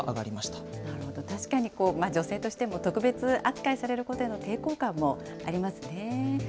確かに女性としても、特別扱いされることへの抵抗感もありますね。